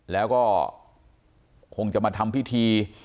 แล้วก็คงจะมาทำพิธี